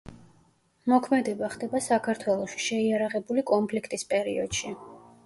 მოქმედება ხდება საქართველოში, შეიარაღებული კონფლიქტის პერიოდში.